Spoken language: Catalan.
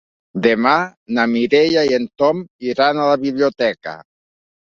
Demà na Mireia i en Tom iran a la biblioteca.